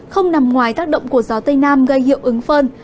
không nằm ngoài tác động của gió tây nam gây hiệu ứng phơn